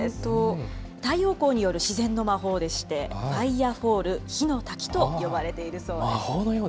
太陽光による自然の魔法でして、ファイアフォール・火の滝と呼ばれているそうです。